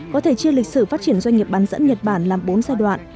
có thể chia lịch sử phát triển doanh nghiệp bán dẫn nhật bản làm bốn giai đoạn